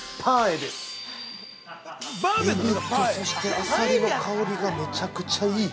エビとあさりの香りがめちゃくちゃいい。